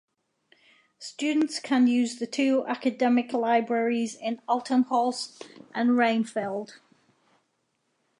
Students can use the two academic libraries in Altenholz and Reinfeld.